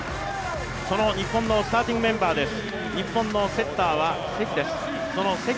その日本のスターティングメンバーです。